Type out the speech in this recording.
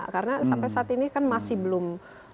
karena sampai saat ini kan masih belum